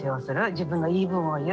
自分の言い分を言う。